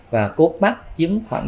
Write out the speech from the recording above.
và cốt bắc chiếm khoảng